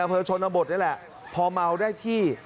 พังชนอุบัตินี่แหละพอเมาด้วยที่